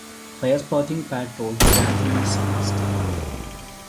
Fire-spotting patrols gradually ceased.